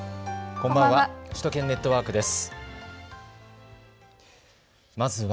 こんばんは。